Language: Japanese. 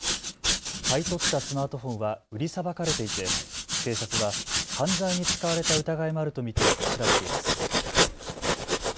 買い取ったスマートフォンは売りさばかれていて警察は犯罪に使われた疑いもあると見て調べています。